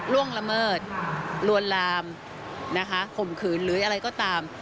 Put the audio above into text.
ล่วงละเมิดลวนลามนะคะข่มขืนหรืออะไรก็ตาม